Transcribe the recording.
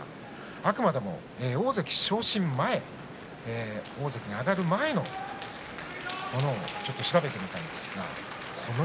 あくまでも大関昇進前大関に上がる前のものを調べてみました。